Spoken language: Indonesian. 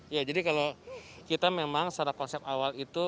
ya jadi kalau kita memang secara konsep awal itu